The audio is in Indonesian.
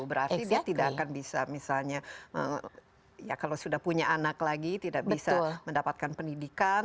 berarti dia tidak akan bisa misalnya ya kalau sudah punya anak lagi tidak bisa mendapatkan pendidikan